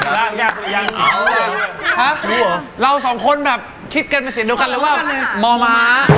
ห้ะเราสองคนแบบคิดแค่ไปเสียดูกันเลยว่าหมอมะ